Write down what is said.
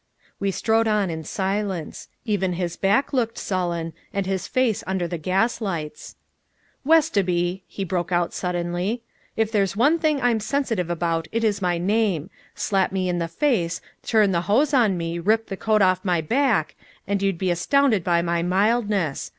We strode on in silence. Even his back looked sullen, and his face under the gaslights "Westoby," he broke out suddenly, "if there's one thing I'm sensitive about it is my name. Slap me in the face, turn the hose on me, rip the coat off my back and you'd be astounded by my mildness.